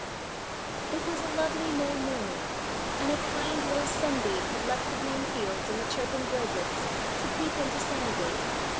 It was a lovely May morning, and a kind little sunbeam had left the green fields and the chirping birdlets to peep into Sandgate.